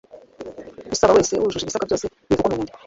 Usaba wese wujuje ibisabwa byose bivugwa munyandiko